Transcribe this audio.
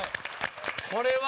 これは。